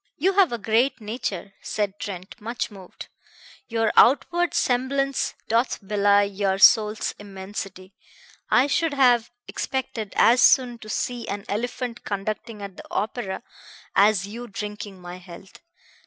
"You have a great nature," said Trent, much moved. "Your outward semblance doth belie your soul's immensity. I should have expected as soon to see an elephant conducting at the opera as you drinking my health.